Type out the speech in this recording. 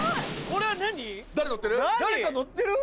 これは何⁉誰乗ってる？